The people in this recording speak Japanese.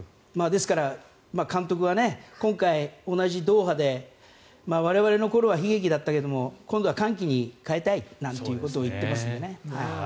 ですから監督は今回、同じドーハで我々の頃は悲劇だったけど今度は歓喜に変えたいなんてことを言ってますのでね。